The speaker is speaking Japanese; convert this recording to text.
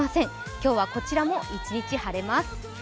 今日はこちらも一日晴れます。